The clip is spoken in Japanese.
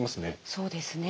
そうですね。